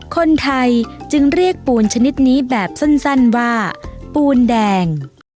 คนไทยจึงเรียกปูนชนิดนี้แบบสั้นว่าปูนแดง